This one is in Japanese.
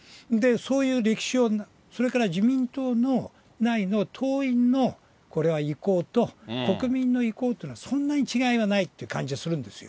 そういう歴史を、それから自民党内の党員のこれは意向と、国民の意向というのはそんなに違いはないって感じがあるんですよ。